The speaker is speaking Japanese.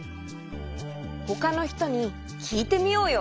ほかのひとにきいてみようよ。